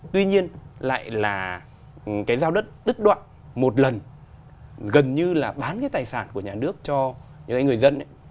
tuy nhiên lại là cái giao đất đứt đoạn một lần gần như là bán cái tài sản của nhà nước cho những người dân ấy